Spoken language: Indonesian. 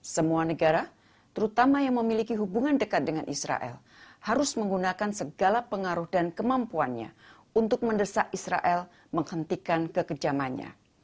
semua negara terutama yang memiliki hubungan dekat dengan israel harus menggunakan segala pengaruh dan kemampuannya untuk mendesak israel menghentikan kekejamannya